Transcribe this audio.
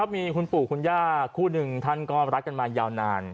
มีคุณปู่คุณย่าคู่หนึ่งท่านก็รักกันมายาวนาน